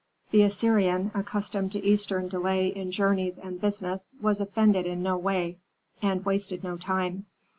The Assyrian, accustomed to eastern delay in journeys and business, was offended in no way, and wasted no time.